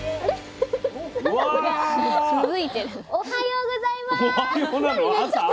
おはようございます。